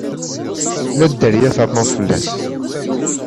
La dderya ternuḍ fell-as.